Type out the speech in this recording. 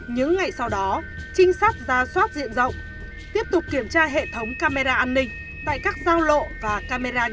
những ngày sau đó trinh sát ra xoát diện rộng tiếp tục kiểm tra hệ thống camera an ninh tại các giao lộ và camera nhà dân